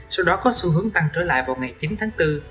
sau đó có xu hướng tăng trở lại vào ngày chín tháng bốn